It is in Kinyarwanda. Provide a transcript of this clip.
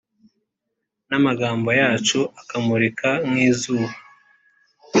n’amagambo yacu akamurika nk’izuba